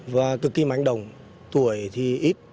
và cực kỳ mạnh đồng tuổi thì ít